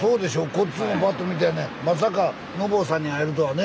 こっちの方バッと見てやねまさかのぼうさんに会えるとはね。